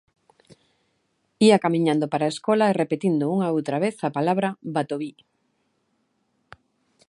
Ía camiñando para a escola e repetindo unha e outra vez a palabra "Batoví".